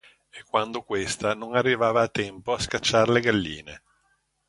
E quando questa non arrivava a tempo a scacciar le galline.